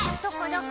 どこ？